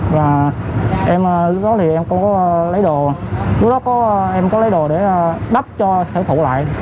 và lúc đó thì em có lấy đồ để đắp cho sản phụ lại